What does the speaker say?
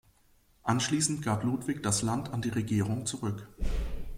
Anschließend gab Ludwig das Land an die Regierung zurück.